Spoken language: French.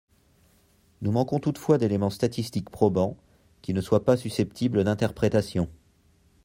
Nous manquons toutefois d’éléments statistiques probants, qui ne soient pas susceptibles d’interprétation.